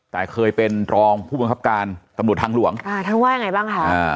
แต่เคยเป็นรองผู้บังคับการตำรวจทางหลวงอ่าท่านว่ายังไงบ้างคะอ่า